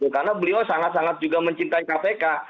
karena beliau sangat sangat juga mencintai kpk